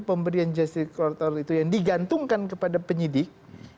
pemberian justice collator itu yang digantungkan kepada penyidik